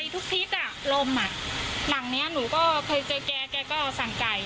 ไปทุกพีทอะลมอะหลังเรียนหนูก็เคยเจอแกแกก็สั่งไก่